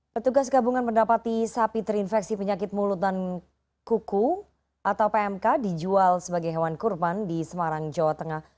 petugas gabungan mendapati sapi terinfeksi penyakit mulut dan kuku atau pmk dijual sebagai hewan kurban di semarang jawa tengah